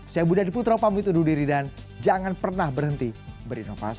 saya budha diputro pamit undur diri dan jangan pernah berhenti berinovasi